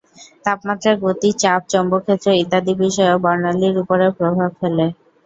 তাপমাত্রা, গতি, চাপ, চৌম্বকক্ষেত্র ইত্যাদি বিষয়ও বর্ণালির ওপরে প্রভাব ফেলে।